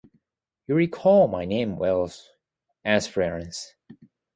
You recall my name well: Espérance.